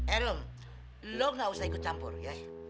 eh lo nggak usah ikut campur ya